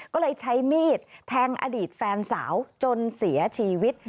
ก็เลยใช้มีดแทงอดีตแฟนสาวจนเสียชีวิต